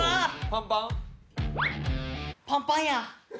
パンパン？